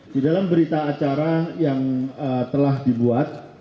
di dalam berita acara yang telah dibuat